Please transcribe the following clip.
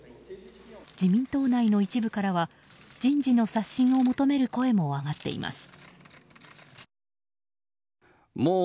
自民党内の一部からは人事の刷新を求める声も上がっています。